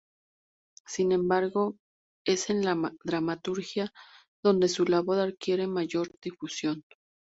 Sin embargo es en la dramaturgia donde su labor adquiere mayor difusión.